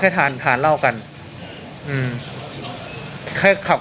ไม่รู้เลยใช่เพราะว่าแค่ทานเล่ากัน